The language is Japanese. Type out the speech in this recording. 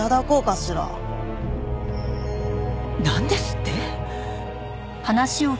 なんですって！？